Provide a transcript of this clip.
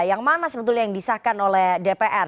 yang mana sebetulnya yang disahkan oleh dpr